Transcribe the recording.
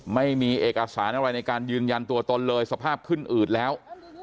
ไม่มีเอกสารอะไรในการยืนยันตัวตนเลยสภาพขึ้นอืดแล้ว